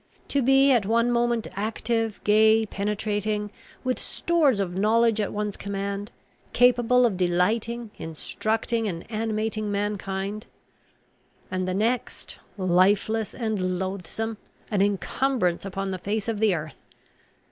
To be at one moment active, gay, penetrating, with stores of knowledge at one's command, capable of delighting, instructing, and animating mankind, and the next, lifeless and loathsome, an incumbrance upon the face of the earth!